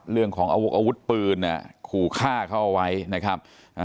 เรื่องของอาวุธปืนขู่ฆ่าเขาเอาไว้นะครับ